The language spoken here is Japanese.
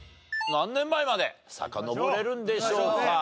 何年前まで遡れるんでしょうか？